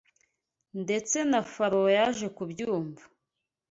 Ndetse na Farawo yaje kubyumva